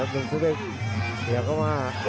เดี๋ยวเข้ามา